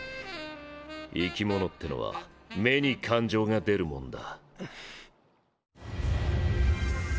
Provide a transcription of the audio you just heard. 生き物ってのは目に感情が出るもんだ。